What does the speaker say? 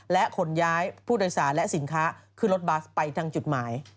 และขนย้ายผู้โดยสารและสินค้าขึ้นรถบัสไปทางจุดหมาย